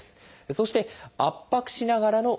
そして圧迫しながらの運動。